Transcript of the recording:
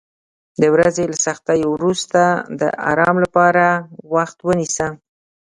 د ورځې له سختیو وروسته د آرام لپاره وخت ونیسه.